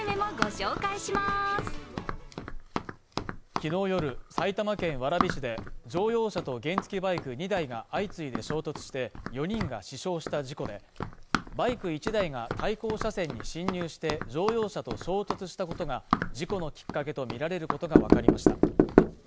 きのう夜、埼玉県蕨市で乗用車と原付バイク２台が相次いで衝突して４人が死傷した事故で、バイク１台が対向車線に進入して乗用車と衝突したことが事故のきっかけとみられることがわかりました。